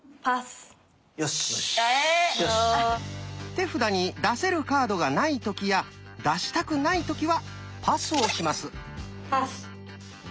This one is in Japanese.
手札に出せるカードがない時や出したくない時はパスをします。